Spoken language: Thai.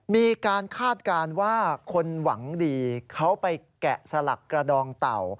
คาดการณ์ว่าคนหวังดีเขาไปแกะสลักกระดองเต่า